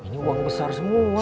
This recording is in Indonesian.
ini uang besar semua